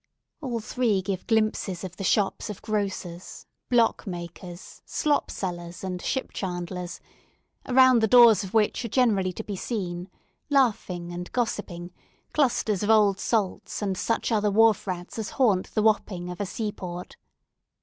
All three give glimpses of the shops of grocers, block makers, slop sellers, and ship chandlers, around the doors of which are generally to be seen, laughing and gossiping, clusters of old salts, and such other wharf rats as haunt the Wapping of a seaport.